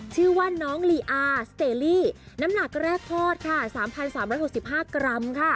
ชื่อว่าน้องลีอาร์สเตอรี่น้ำหนักแรกคลอดค่ะ๓๓๖๕กรัมค่ะ